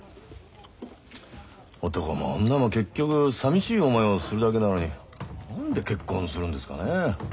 男も女も結局さみしい思いをするだけなのに何で結婚するんですかねえ。